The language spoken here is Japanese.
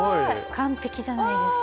完璧じゃないですか！